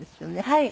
はい。